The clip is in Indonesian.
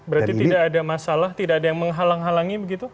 berarti tidak ada masalah tidak ada yang menghalang halangi begitu